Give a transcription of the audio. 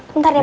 bentar ya mas